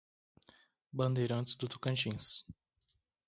Bandeirantes do Tocantins